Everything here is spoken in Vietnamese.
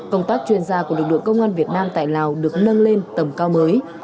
công tác chuyên gia của lực lượng công an việt nam tại lào được nâng lên tầm cao mới